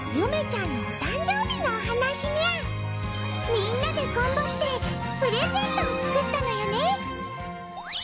みんなで頑張ってプレゼントを作ったのよね！